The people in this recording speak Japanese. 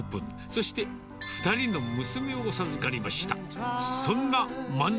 そして、２人の娘を授かりました。